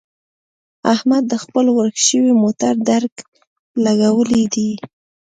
احمد د خپل ورک شوي موټر درک لګولی دی.